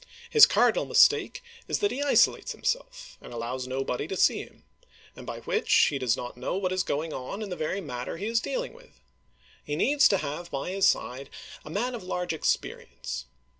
His cardinal mistake is that he isolates himself, and allows nobody to see him ; and by which he does not know what is going on in the very mat ter he is dealing with. He needs to have by his side a man of large experience.